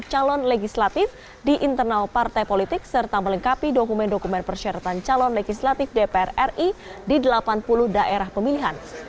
kpu ri juga melakukan penelitian legislatif di internal partai politik serta melengkapi dokumen dokumen persyaratan calon legislatif dpr ri di delapan puluh daerah pemilihan